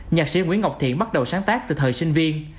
nhạc sĩ nguyễn ngọc thiện bắt đầu sáng tác từ thời sinh viên